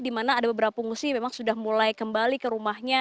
di mana ada beberapa pengungsi memang sudah mulai kembali ke rumahnya